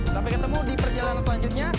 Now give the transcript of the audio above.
sampai ketemu di perjalanan selanjutnya